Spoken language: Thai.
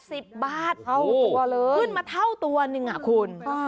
เท่าตัวเลยขึ้นมาเท่าตัวนึงคุณ